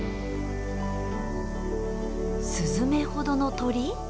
スズメほどの鳥？